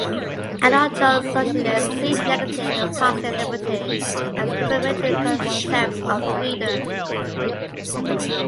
Anarcho-socialists see negative and positive liberty as complementary concepts of freedom.